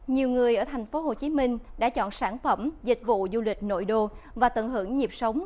nhiều người ở thành phố hồ chí minh đã chọn sản phẩm dịch vụ du lịch nội đô và tận hưởng nhịp sống